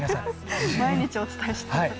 毎日、お伝えしています。